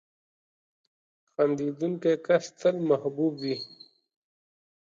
• خندېدونکی کس تل محبوب وي.